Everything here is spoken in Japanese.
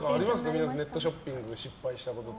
皆さんネットショッピングで失敗したこと。